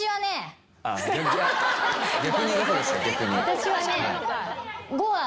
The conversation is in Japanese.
私はね。